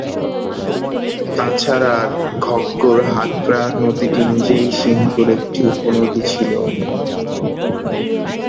তাছাড়া ঘগ্গর-হাকরা নদীটি নিজেই সিন্ধুর একটি উপনদী ছিল।